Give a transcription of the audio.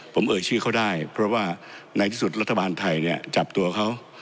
ผมเอ่ยชื่อเขาได้เพราะว่าในที่สุดรัฐบาลไทยเนี่ยจับตัวเขา